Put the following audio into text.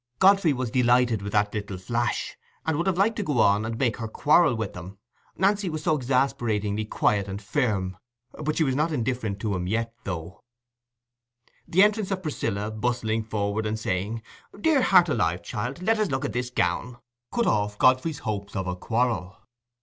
Godfrey was delighted with that little flash, and would have liked to go on and make her quarrel with him; Nancy was so exasperatingly quiet and firm. But she was not indifferent to him yet, though— The entrance of Priscilla, bustling forward and saying, "Dear heart alive, child, let us look at this gown," cut off Godfrey's hopes of a quarrel.